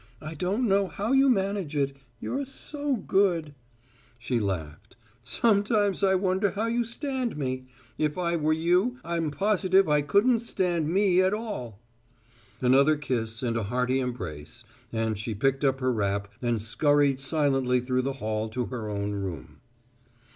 "I don't know how you manage it. You're so good" she laughed "sometimes I wonder how you stand me. If I were you, I'm positive I couldn't stand me at all!" Another kiss and a hearty embrace, and she picked up her wrap and skurried silently through the hall to her own room.